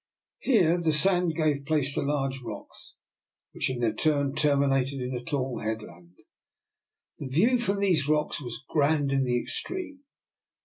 Here the sand gave place to large rocks, which in their turn terminated in a tall headland. The view from these rocks was grand in the extreme.